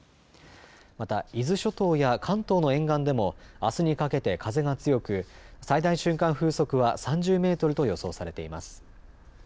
また伊豆諸島や関東の沿岸でもあすにかけて風が強く最大瞬間風速は３０メートルと予想されています。